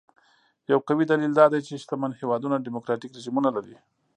یو قوي دلیل دا دی چې شتمن هېوادونه ډیموکراټیک رژیمونه لري.